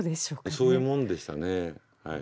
そういうもんでしたね。